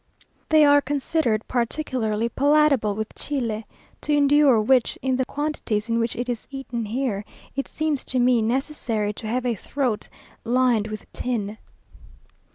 They are considered particularly palatable with chile, to endure which, in the quantities in which it is eaten here, it seems to me necessary to have a throat lined with tin.